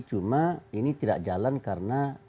cuma ini tidak jalan karena